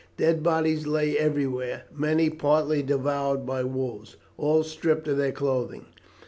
Dead bodies lay everywhere; many partly devoured by wolves; all stripped of their clothing.